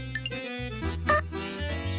あっ！